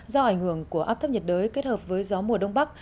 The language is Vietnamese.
do ảnh hưởng của áp thấp nhiệt đới kết hợp với gió mùa đông bắc